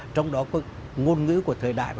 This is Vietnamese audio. trong đó có ngôn ngữ của thời đại mà